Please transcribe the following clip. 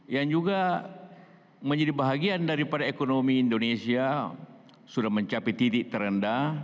yang juga menjadi bahagian daripada ekonomi indonesia sudah mencapai titik terendah